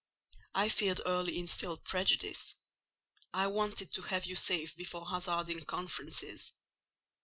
I feared early instilled prejudice: I wanted to have you safe before hazarding confidences.